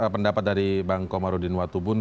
pendapat dari bang komarudin watubun